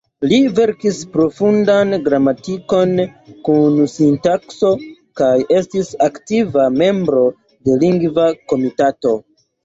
Li verkis profundan gramatikon kun sintakso kaj estis aktiva membro de la Lingva Komitato.